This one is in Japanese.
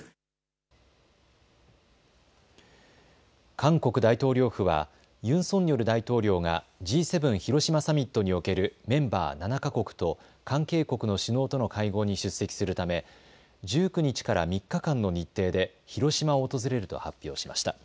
韓国大統領府はユン・ソンニョル大統領がＧ７広島サミットにおけるメンバー７か国と関係国の首脳との会合に出席するため１９日から３日間の日程で広島を訪れると発表しました。